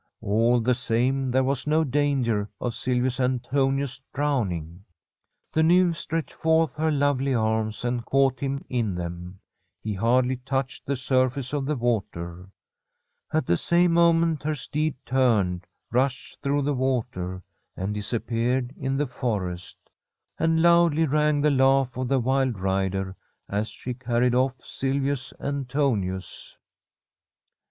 All the same, there was no danger of Silvius Antonius drowning. The nymph stretched forth her lovely arms and caught him in them. He hardly touched the surface of the water. At the same moment her steed turned, rushed through the water, and disappeared in the forest. And loudly rang the laugh of the wild rider as she carried off Silvius Antonius.